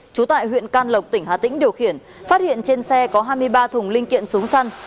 trú tại huyện can lộc tỉnh hà tĩnh điều khiển phát hiện trên xe có hai mươi ba thùng linh kiện súng săn